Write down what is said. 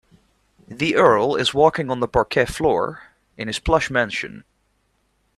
The earl is walking on the parquet floor in his plush mansion.